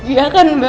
iya kan mbak